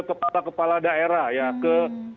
kepala kepala daerah ya ke